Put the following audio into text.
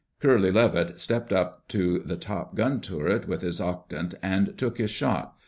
Curly Levitt stepped up to the top gun turret with his octant and took his shot.